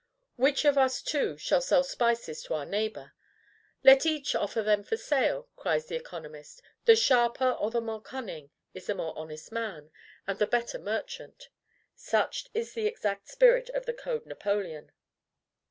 Which of us two shall sell spices to our neighbor? "Let each offer them for sale," cries the economist; "the sharper, or the more cunning, is the more honest man, and the better merchant." Such is the exact spirit of the Code Napoleon.